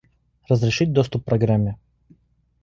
Разрешить доступ программе